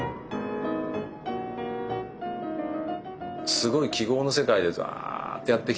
すごい記号の世界でダッてやってきて。